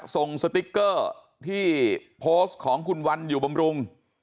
สติ๊กเกอร์ที่โพสต์ของคุณวันอยู่บำรุง